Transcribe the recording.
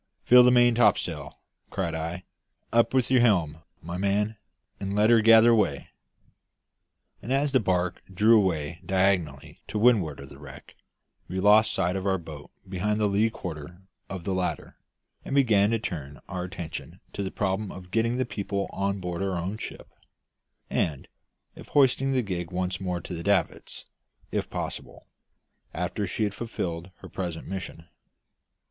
"Fill the main topsail," cried I. "Up with your helm, my man, and let her gather way." And as the barque drew away diagonally to windward of the wreck, we lost sight of our boat behind the lee quarter of the latter, and began to turn our attention to the problem of getting the people on board our own ship, and of hoisting the gig once more to the davits, if possible, after she had fulfilled her present mission.